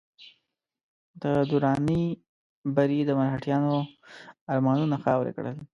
د دراني بري د مرهټیانو ارمانونه خاورې کړل.